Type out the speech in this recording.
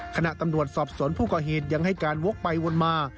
ขณะตำรวจสอบสวนผู้ก่อเหตุยังให้การวกไปวนมา